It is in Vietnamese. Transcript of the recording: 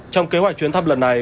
trong kế hoạch chuyến thăm lần này